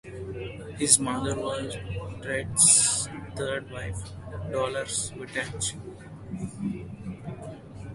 His mother was Ted's third wife, Dolores Wettach.